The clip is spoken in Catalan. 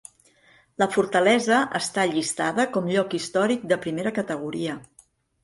La fortalesa està llistada com Lloc Històric de Primera Categoria.